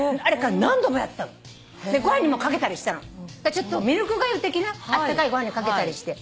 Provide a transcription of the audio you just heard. ちょっとミルクがゆ的なあったかいご飯にかけたりして。